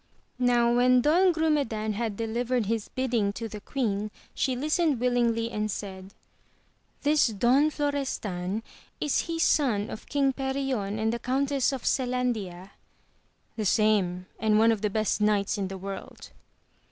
Now when Don Grumedan had delivered his bid ding to the queen she listened willingly and said, this Don Florestan, — ^is he son of King Perion and the 12 AMADIS OF GAUL. Countess of Selandia ?— The same, and one of the best knights in the world.